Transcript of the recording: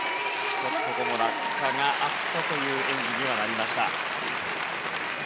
１つ、ここも落下があったという演技にはなりました。